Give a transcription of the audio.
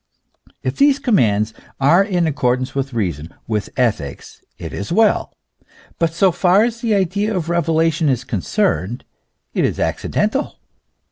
* If these commands are in ac cordance with reason, with ethics, it is well ; but so far as the idea of revelation is concerned, it is accidental.